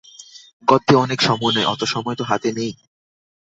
গদ্যে অনেক সময় নেয়, অত সময় তো হাতে নেই।